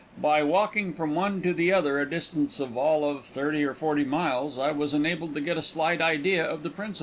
By walking from one to the other, a distance in all of thirty or forty miles, I was enabled to get a slight idea of the principle.